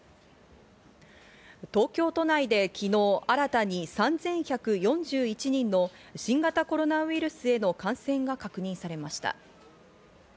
東京都内で昨日新たに３１４１人の新型コロナウイルスへの感染が確認されました。